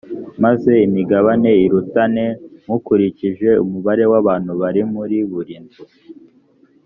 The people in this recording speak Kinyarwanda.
maze imigabane irutane mukurikije umubare w’abantu bari muri buri nzu.